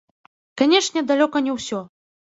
Канечне, далёка не ўсе.